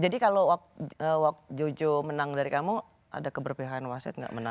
kalau waktu jojo menang dari kamu ada keberpihakan wasit nggak menang